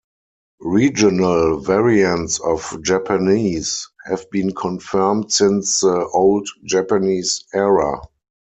Regional variants of Japanese have been confirmed since the Old Japanese era.